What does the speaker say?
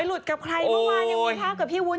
ไปหลุดกับใครเมื่อวาน